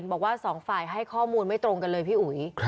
บอกว่าสองฝ่ายให้ข้อมูลไม่ตรงกันเลยพี่อุ๋ย